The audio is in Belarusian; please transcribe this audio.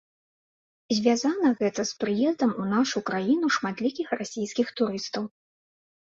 Звязана гэта з прыездам у нашу краіну шматлікіх расійскіх турыстаў.